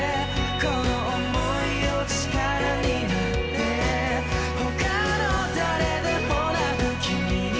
「この想いよ力になって」「他の誰でもなく君に」